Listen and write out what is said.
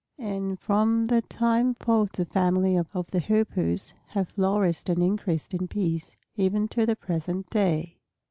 And from that time forth the family of the Hoopoes have flourished and increased in peace, even to the present day.